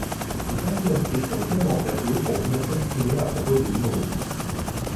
Des personnalités sont également en plateau pour venir s'exprimer à propos des humoristes.